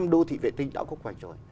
năm đô thị vệ tinh đã có khoảnh trời